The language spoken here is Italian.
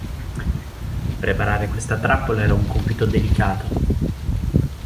Preparare questa trappola era un compito delicato.